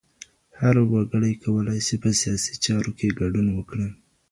هر وګړی کولای سي په سياسي چارو کي ګډون وکړي.